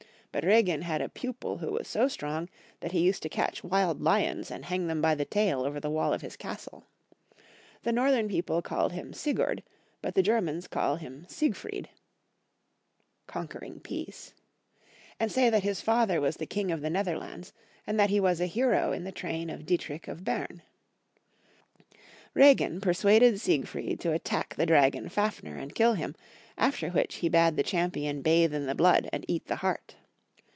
But Reginn had a pupU who was so strong that he used to catch wild lions and hang them by the taU over the wall of his castle. The northern people called him Sigurd, but the Germans call him Sieg fried,* and say that his father was the king of the Netherlands, and that he was a hero in the train of Dietrich of Berne. Reginn persuaded Siegfried to attack the dragon Fafner and kill him, after which he bade the champion bathe in the blood and eat the heart.